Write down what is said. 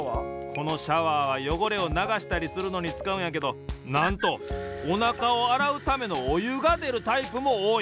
このシャワーはよごれをながしたりするのにつかうんやけどなんとおなかをあらうためのおゆがでるタイプもおおい。